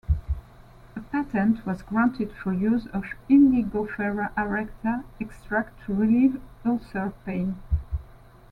A patent was granted for use of "Indigofera arrecta" extract to relieve ulcer pain.